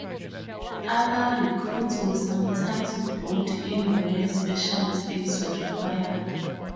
Other recruits were sometimes brought in where special skills were required.